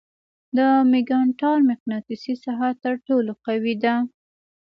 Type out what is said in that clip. د ماګنیټار مقناطیسي ساحه تر ټولو قوي ده.